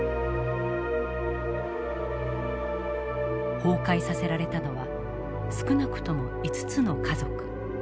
崩壊させられたのは少なくとも５つの家族。